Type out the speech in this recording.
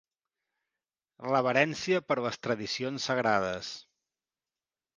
Reverència per les tradicions sagrades.